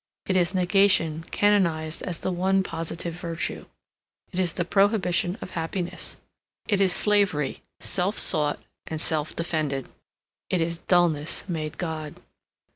It is negation canonized as the one positive virtue. It is the prohibition of happiness. It is slavery self sought and self defended. It is dullness made God.